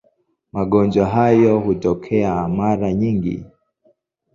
Magonjwa hayo hutokea mara nyingi.